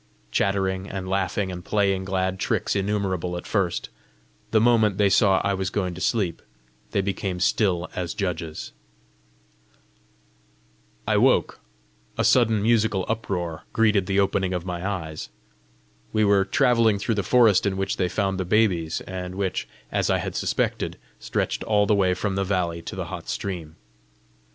Chattering and laughing and playing glad tricks innumerable at first, the moment they saw I was going to sleep, they became still as judges. I woke: a sudden musical uproar greeted the opening of my eyes. We were travelling through the forest in which they found the babies, and which, as I had suspected, stretched all the way from the valley to the hot stream.